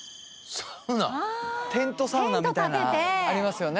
サウナテントサウナみたいなありますよね